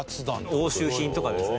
押収品とかですね。